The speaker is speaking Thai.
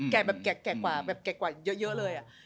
แก่กว่าเยอะเลย